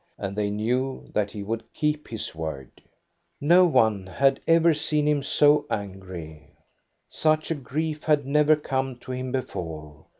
And they knew that he would keep his word. No one had ever seen him so angry. Such a grief had never come to him before.